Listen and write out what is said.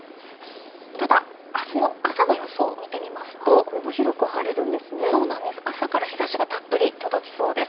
ただ、あすの朝の予想を見てみますと朝から日ざしがたっぷり届きそうです。